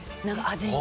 味に。